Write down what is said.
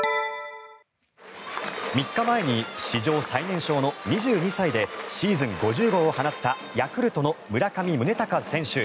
３日前に史上最年少の２２歳でシーズン５０号を放ったヤクルトの村上宗隆選手。